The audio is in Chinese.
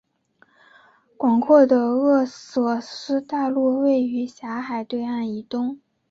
广阔的厄索斯大陆位于狭海对岸以东。